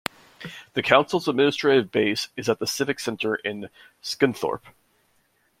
The council's administrative base is at the Civic Centre in Scunthorpe.